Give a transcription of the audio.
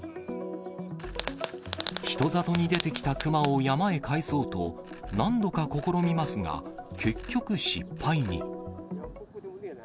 人里に出てきたクマを山へ返そうと、何度か試みますが、結局、失敗に。